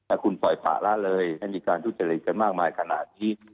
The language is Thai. อาคุณปล่อยฝากละเลยมีการทุจัยกันมากมายขณะที่